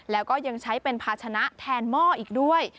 แล้วก็ยังใช้เป็นภาชนะแทนหม้ออีกด้วย